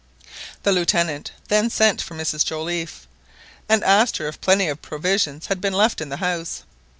The Lieutenant then sent for Mrs Joliffe, and asked her if plenty of provisions had been left in the house.